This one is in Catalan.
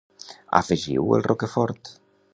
Afegiu el roquefort.